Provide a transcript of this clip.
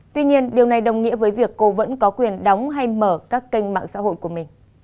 tuy nhiên điều này đồng nghĩa với việc cô vẫn có quyền đóng hay mở các kênh mạng xã hội của mình